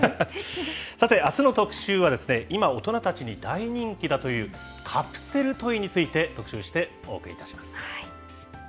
さて、あすの特集は今、大人たちに大人気だというカプセルトイについて特集して、お送りいたします。